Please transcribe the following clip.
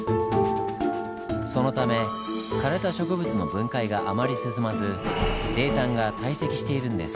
そのため枯れた植物の分解があまり進まず泥炭が堆積しているんです。